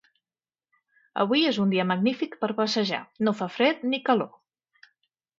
Avui és un dia magnífic per passejar, no fa fred ni calor.